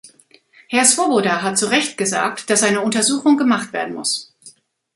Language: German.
Herr Swoboda hat zu Recht gesagt, dass eine Untersuchung gemacht werden muss.